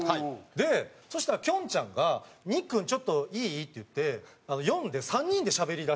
でそしたらきょんちゃんがにっくんちょっといい？って言って呼んで３人でしゃべりだしたんですよ。